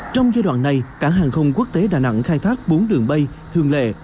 trong giai đoạn này cảng hàng không quốc tế đà nẵng khai thác bốn đường bay thường lệ